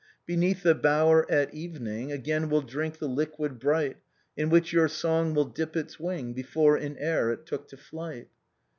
Beneath the bower, at evening, Afjain we'll drink the liquid bright In which your song will dip its wing Before in air it took to flight."